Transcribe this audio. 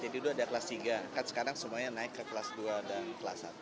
jadi itu ada kelas tiga kan sekarang semuanya naik ke kelas dua dan kelas satu